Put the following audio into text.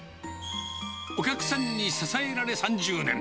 お客さんに支えられ３０年。